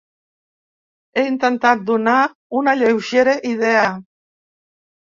He intentat donar una lleugera idea